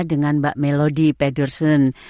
dengan mbak melody pedersen